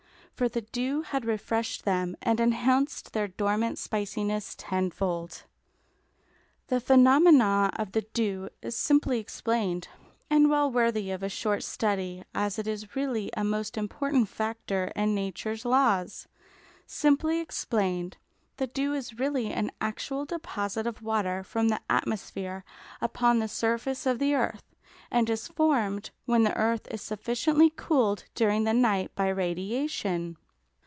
For the dew had refreshed them and enhanced their dormant spiciness tenfold. The phenomenon of the dew is simply explained, and well worthy of a short study as it is really a most important factor in nature's laws. Simply explained, the dew is really an actual deposit of water from the atmosphere upon the surface of the earth, and is formed when the earth is sufficiently cooled during the night by radiation.